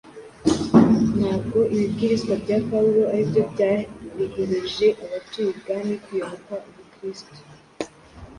Ntabwo ibibwirizwa bya Pawulo ari byo byarehereje abatuye ibwami kuyoboka Ubukristo,